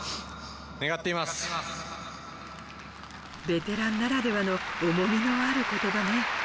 ベテランならではの重みのある言葉ね。